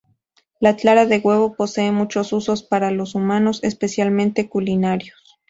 La clara de huevo posee muchos usos para los humanos, especialmente culinarios.